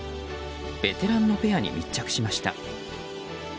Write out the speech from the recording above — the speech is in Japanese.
ベテランのペアに密着しました。